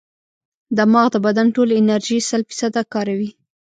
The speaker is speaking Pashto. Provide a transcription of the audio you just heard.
دماغ د بدن ټولې انرژي شل فیصده کاروي.